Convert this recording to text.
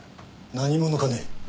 何者かね？